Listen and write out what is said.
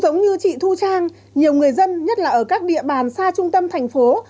nhất là ở các địa bàn xa trung tâm thành phố